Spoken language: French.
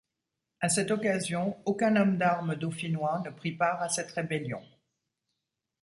À cette occasion aucun homme d'arme dauphinois ne pris part à cette rébellion.